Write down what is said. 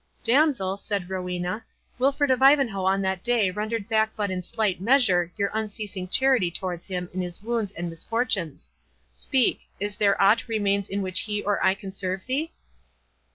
"Damsel," said Rowena, "Wilfred of Ivanhoe on that day rendered back but in slight measure your unceasing charity towards him in his wounds and misfortunes. Speak, is there aught remains in which he or I can serve thee?"